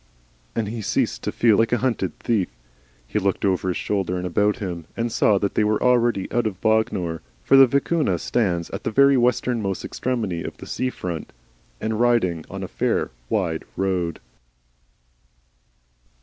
and he ceased to feel like a hunted thief. He looked over his shoulder and about him, and saw that they were already out of Bognor for the Vicuna stands at the very westernmost extremity of the sea front and riding on a fair wide road.